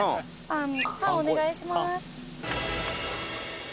「パン」「パン」お願いします。